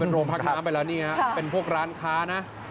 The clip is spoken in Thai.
โรงพักน้ำไปแล้วนี่ฮะเป็นพวกร้านค้านะ